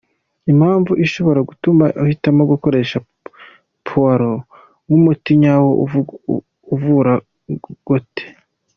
Impamvu ishobora gutuma uhitamo gukoresha puwaro nk’umuti nyawo uvura goutte.